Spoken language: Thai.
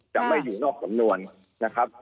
จะไม่อยู่นอกสำนวนนะครับ